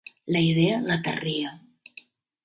La idea l'aterria.